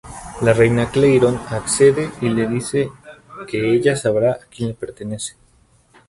La Reina Clarion accede y le dice que ella sabrá a quien le pertenece.